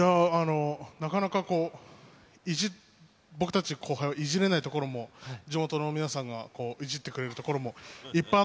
なかなかこう、僕たち後輩はいじれないところも、地元の皆さんがいじってくれるとなるほど。